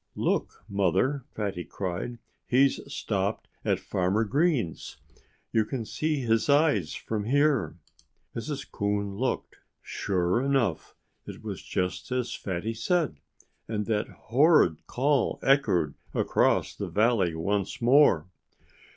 "Look, Mother!" Fatty cried. "He's stopped at Farmer Green's! You can see his eyes from here!" Mrs. Coon looked. Sure enough! It was just as Fatty said. And that horrid call echoed across the valley once more.